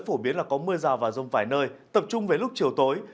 phổ biến là có mưa rào và rông vài nơi tập trung về lúc chiều tối